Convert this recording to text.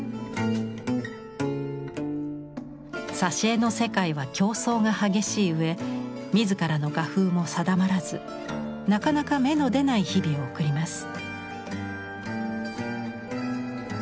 挿絵の世界は競争が激しいうえ自らの画風も定まらずなかなか芽の出ない日々を送ります。